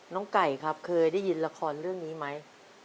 ไก่ครับเคยได้ยินละครเรื่องนี้ไหม